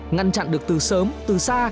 ngăn chặn được từ sớm từ xa